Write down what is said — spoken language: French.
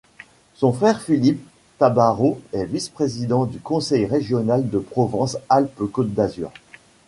Son frère Philippe Tabarot est Vice-Président du Conseil Régional de Provence-Alpes-Côte-d'Azur.